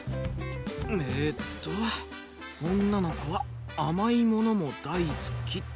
えっと「女の子は甘いものも大好き」。